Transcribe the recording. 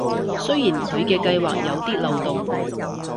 雖然佢嘅計畫有啲漏洞